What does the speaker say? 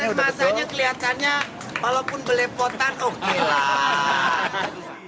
proses masaknya kelihatannya walaupun belepotan oke lah